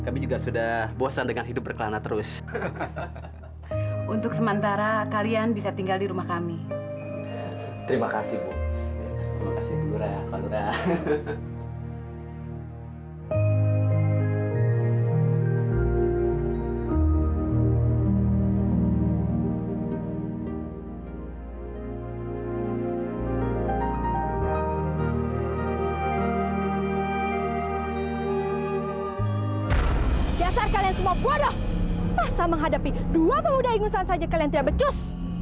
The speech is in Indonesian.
biasa kalian semua bodoh masa menghadapi dua pemuda ingusan saja kalian tidak becus